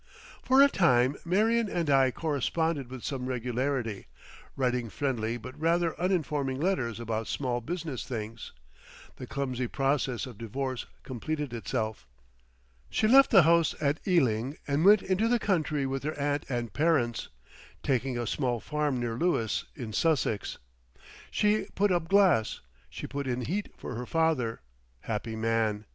For a time Marion and I corresponded with some regularity, writing friendly but rather uninforming letters about small business things. The clumsy process of divorce completed itself. She left the house at Ealing and went into the country with her aunt and parents, taking a small farm near Lewes in Sussex. She put up glass, she put in heat for her father, happy man!